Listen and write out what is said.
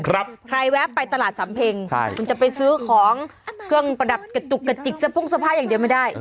ใครแวะไปตลาดสัมเพ็งมันจะไปซื้อของเครื่องประดับกระจกซะพุ่งสภาพอย่างเดียวไม่ได้